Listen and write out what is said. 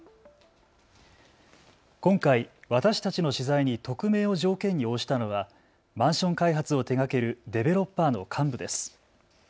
今回、私たちの取材に匿名を条件に応じたのはマンション開発を手がけるデベロッパーの幹部です。